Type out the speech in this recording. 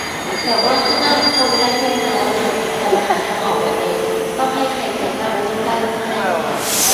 แบบว่าข้างหน้ามันเข้าไปได้ครึ่งทางแล้วนะ แต่มันหาทางออกบ่เจอ ต้องให้ใครใจกล้ามาจิ้มด้านหลังให้